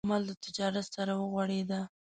احمد له تجارت سره وغوړېدا.